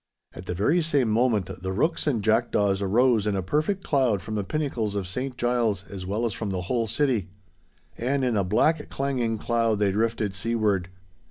At the very same moment the rooks and jackdaws arose in a perfect cloud from the pinnacles of St Giles as well as from the whole city. And in a black clanging cloud they drifted seaward.